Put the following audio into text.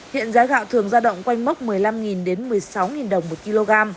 hiện giá gạo thường giao động quanh mốc một mươi năm một mươi sáu đồng một kg